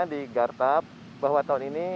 di gartab bahwa tahun ini